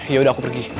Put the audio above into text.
yaudah aku pergi